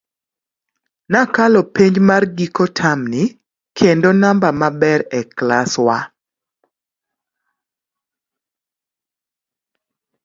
Nakalo penj mar gigo tam ni, kendo namba maber e klas wa.